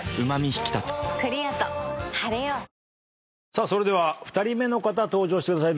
さあそれでは２人目の方登場してください。